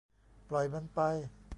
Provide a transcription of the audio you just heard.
ปล่อยมันไป